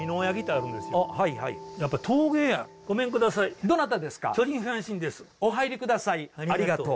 ありがとう。